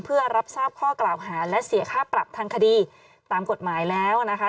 เพื่อรับทราบข้อกล่าวหาและเสียค่าปรับทางคดีตามกฎหมายแล้วนะคะ